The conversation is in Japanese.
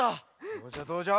どうじゃどうじゃ？